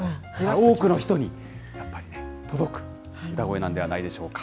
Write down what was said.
多くの人にやっぱりね、届く歌声なんではないでしょうか。